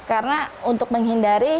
karena untuk menghindari